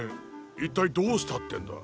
一体どうしたってんだ？